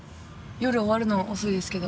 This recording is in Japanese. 夜終わるの遅いですけど。